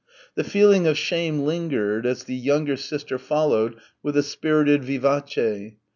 The feeling of shame lingered as the younger sister followed with a spirited vivace.